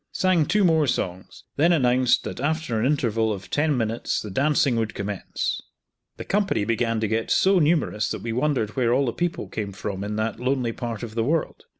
Sang two more songs, then announced that after an interval of ten minutes the dancing would commence. The company began to get so numerous that we wondered where all the people came from in that lonely part of the world.